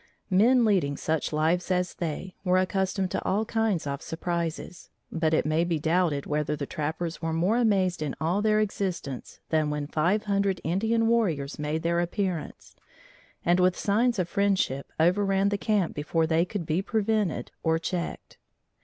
Men leading such lives as they, were accustomed to all kinds of surprises, but it may be doubted whether the trappers were more amazed in all their existence than when five hundred Indian warriors made their appearance and with signs of friendship overran the camp before they could be prevented or checked.